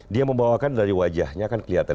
dia membawakan dari wajahnya kan kelihatan